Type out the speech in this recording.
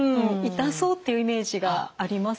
痛そうっていうイメージがあります。